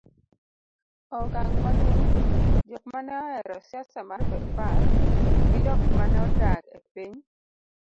e okang' maduong' jok maneohero siasa mar Bepar gi jok maneodak e piny